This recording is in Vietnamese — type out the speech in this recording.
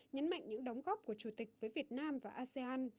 nhấn mạnh những đóng góp của chủ tịch với việt nam và asean